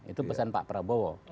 itu pesan pak prabowo